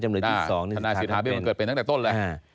จำเลยที่สองธนายศิษย์ภาคเบี้ยวมันเกิดเป็นตั้งแต่ต้นแหละอ่า